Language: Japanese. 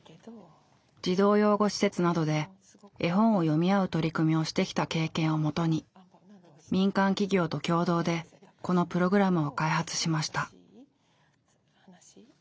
児童養護施設などで絵本を読みあう取り組みをしてきた経験をもとに民間企業と共同でこのプログラムを開発しました。